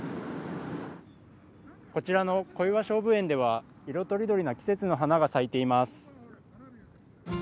こちらの小岩菖蒲園では、色とりどりの季節の花が咲いています。